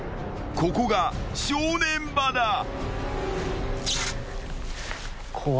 ［ここが正念場だ］